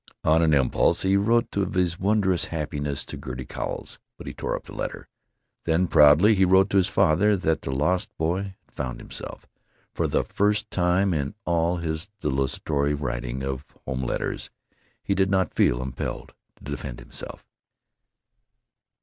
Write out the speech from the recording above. On an impulse he wrote of his wondrous happiness to Gertie Cowles, but he tore up the letter. Then proudly he wrote to his father that the lost boy had found himself. For the first time in all his desultory writing of home letters he did not feel impelled to defend himself.